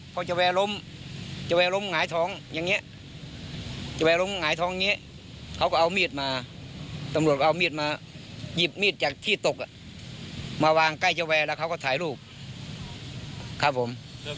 พอจะแวร์ล้มจะแวร์ล้มหงายท้องอย่างนี้จะแวร์ล้มหงายท้องนี้เขาก็เอามีดมาตำรวจก็เอามีดมาหยิบมีดจากที่ตกมาวางใกล้จะแวร์แล้วเขาก็ถ่ายรูปครับผม